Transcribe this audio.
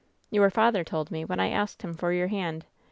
"Your father told me, when I asked him for your hand.